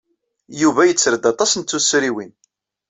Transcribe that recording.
Yuba yetter-d aṭas n tuttriwin.